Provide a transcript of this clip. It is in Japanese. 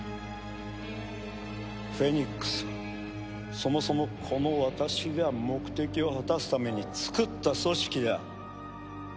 フェニックスはそもそもこの私が目的を果たすために作った組織だ。